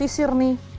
ini abisir nih